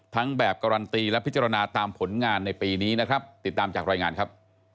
ทั้งแบบการันตีและพิจารณาตามผลงานในปีนี้นะครับติดตามจากรายงานครับ